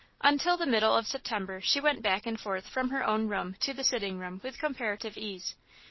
Until the middle of September she went back and forth from her own room to the sitting room with comparative ease.